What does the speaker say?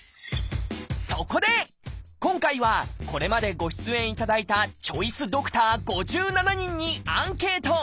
そこで今回はこれまでご出演いただいたチョイスドクター５７人にアンケート！